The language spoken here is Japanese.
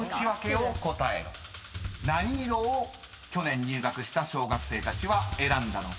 ［何色を去年入学した小学生たちは選んだのか？］